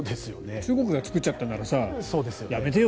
中国が作っちゃったならやめてよ